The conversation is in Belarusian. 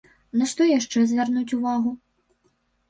На што яшчэ звярнуць увагу?